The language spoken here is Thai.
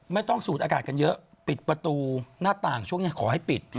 สูดอากาศกันเยอะปิดประตูหน้าต่างช่วงนี้ขอให้ปิด